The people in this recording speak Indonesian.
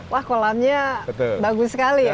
wah kolamnya bagus sekali ya